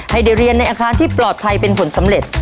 ให้ได้เรียนในอาคารที่ปลอดภัยเป็นผลสำเร็จ